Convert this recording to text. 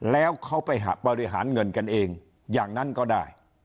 แล้วเขาไปบริหารเงินกันเองอย่างนั้นก็ได้